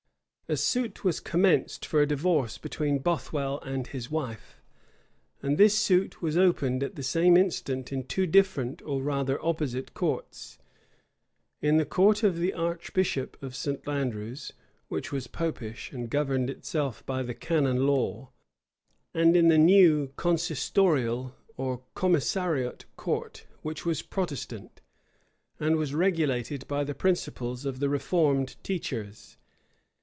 A suit was commenced for a divorce between Bothwell and his wife; and this suit was opened at the same instant in two different, or rather opposite courts; in the court of the archbishop of St. Andrew's, which was Popish, and governed itself by the canon law; and in the new consistorial or commissariot court, which was Protestant, and was regulated by the principles of the reformed teachers.